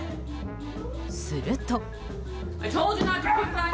すると。